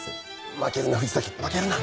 負けるな藤崎負けるな！